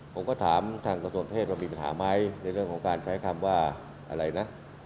ผมก็ถามทางกระทรวงเพศว่ามีปัญหาไหมในเรื่องของการใช้คำว่าอะไรนะ